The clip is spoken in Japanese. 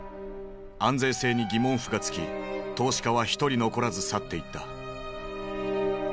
安全性に疑問符がつき投資家は一人残らず去っていった。